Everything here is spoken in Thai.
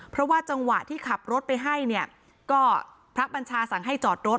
เพราะว่าจังหวะที่ขับรถไปให้เนี่ยก็พระบัญชาสั่งให้จอดรถ